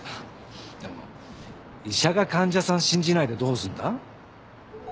でも医者が患者さん信じないでどうすんだ？